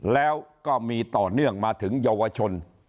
แล้วก็มีต่อเนื่องมาถึงเยาวชน